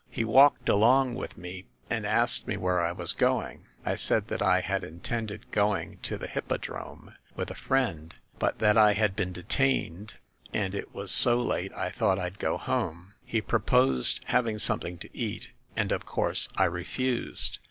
He walked along with me and asked me where I was going. I said that I had intended go ing to the Hippodrome with a friend; but that I had been detained, and it was so late I thought I'd go home. He proposed having something to eat, and of course I refused.